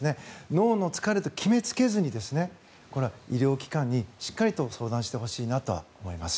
脳の疲れと決めつけずに医療機関にしっかりと相談してほしいなと思います。